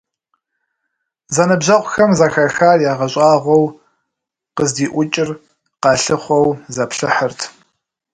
Зэныбжьэгъухэм, зэхахар ягъэщӀагъуэу, къыздиӀукӀыр къалъыхъуэу заплъыхьырт.